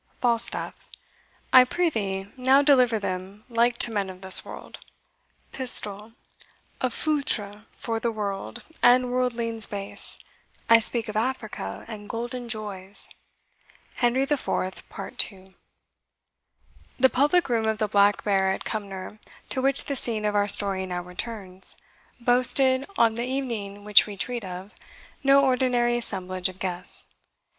FALSTAFF. I prithee now deliver them like to men of this world. PISTOL. A foutra for the world, and worldlings base! I speak of Africa, and golden joys. HENRY IV. PART II. The public room of the Black Bear at Cumnor, to which the scene of our story now returns, boasted, on the evening which we treat of, no ordinary assemblage of guests.